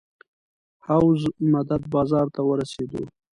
حوض مدد بازار ته ورسېدو.